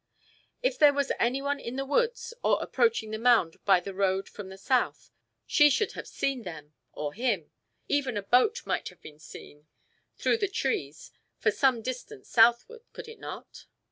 "If there was any one in the woods, or approaching the mound by the road from the south, she should have seen them, or him; even a boat might have been seen through the trees for some distance southward, could it not?"